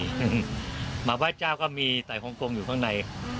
มาไหว้เจ้าก็มีใส่ฮองกงอยู่ข้างใน